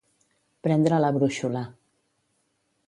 Prendre la brúixola.